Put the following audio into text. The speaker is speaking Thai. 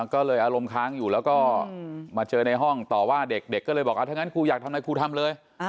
ก็เลยอารมณ์ค้างอยู่แล้วก็มาเจอในห้องต่อว่าเด็กเด็กก็เลยบอกถ้างั้นครูอยากทำอะไรครูทำเลย